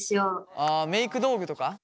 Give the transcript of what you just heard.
あメーク道具とか？